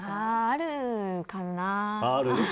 あるかな。